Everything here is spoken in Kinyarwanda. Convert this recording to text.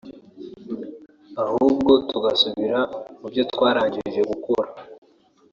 ahubwo tugasubira mu byo twarangije gukora